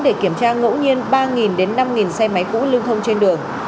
để kiểm tra ngẫu nhiên ba đến năm xe máy cũ lưu thông trên đường